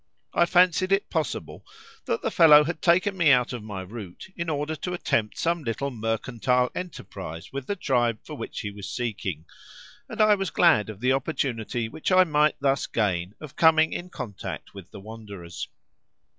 I fancied it possible that the fellow had taken me out of my route in order to attempt some little mercantile enterprise with the tribe for which he was seeking, and I was glad of the opportunity which I might thus gain of coming in contact with the wanderers.